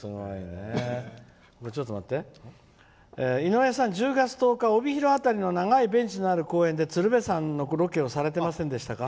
「井上さん、１０月１０日帯広辺りの長いベンチのある公園で鶴瓶さんのロケをされてませんでしたか？